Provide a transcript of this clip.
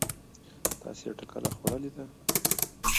تاسې ټکله خوړلې ده؟